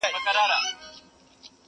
سپین کورونه تور زندان ګوره چي لا څه کیږي!